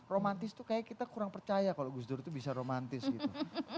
romantis itu kayak kita kurang percaya kalau gus dur itu bisa romantis gitu